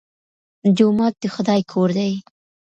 جومات د خدای کور دی.